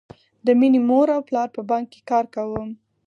د مینې مور او پلار په بانک کې کار کاوه